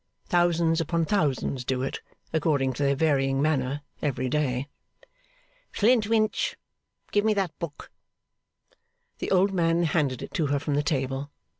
Thousands upon thousands do it, according to their varying manner, every day. 'Flintwinch, give me that book!' The old man handed it to her from the table.